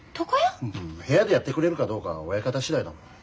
部屋でやってくれるかどうかは親方次第だもん。